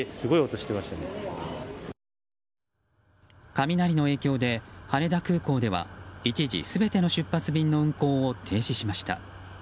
雷の影響で羽田空港では一時、全ての出発便の運航を停止しました。